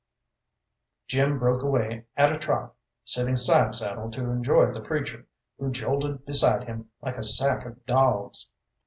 Jim broke away at a trot, sitting side saddle to enjoy the preacher, who jolted beside him like a sack of dogs.